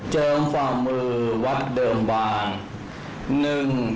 เจิมความมือวัดเดิมวาง